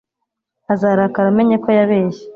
Azarakara amenye ko yabeshye.